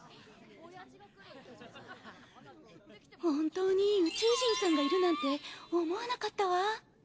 本当に宇宙人さんがいるなんて思わなかったわ。